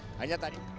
oke kita lihat tadi